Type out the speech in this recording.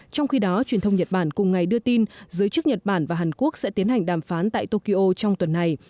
trong khi đó truyền thông nhật bản cùng ngày đưa tin giới chức nhật bản và hàn quốc sẽ tiến hành đàm phán tại tokyo trong tuần này